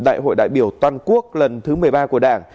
đại hội đại biểu toàn quốc lần thứ một mươi ba của đảng